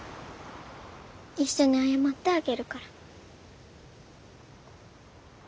一緒に謝ってあげるから。